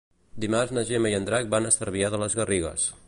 Dimarts na Gemma i en Drac van a Cervià de les Garrigues.